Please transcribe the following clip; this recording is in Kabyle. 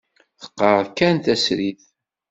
Teqqar kan tasrit.